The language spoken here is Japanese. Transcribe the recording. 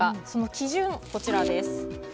その基準がこちらです。